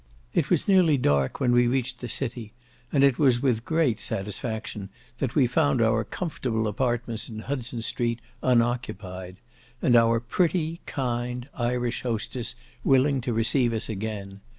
It was nearly dark when we reached the city, and it was with great satisfaction that we found our comfortable apartments in Hudson Street unoccupied; and our pretty, kind (Irish) hostess willing to receive us again.